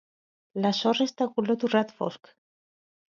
La sorra és de color torrat fosc.